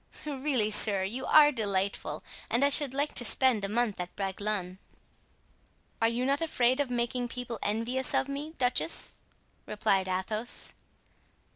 "Really, sir, you are delightful, and I should like to spend a month at Bragelonne." "Are you not afraid of making people envious of me, duchess?" replied Athos.